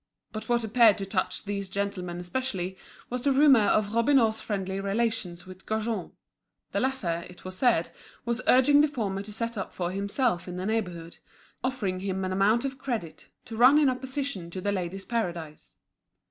But what appeared to touch these gentlemen especially, was the rumour of Robineau's friendly relations with Gaujean; the latter, it was said, was urging the former to set up for himself in the neighbourhood, offering him any amount of credit, to run in opposition to The Ladies' Paradise.